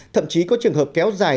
thậm chí có trường hợp kéo dài